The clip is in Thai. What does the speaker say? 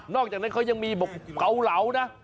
อกจากนั้นเขายังมีบอกเกาเหลานะ